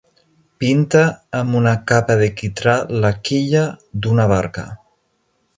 Pinta amb una capa de quitrà la quilla d'una barca.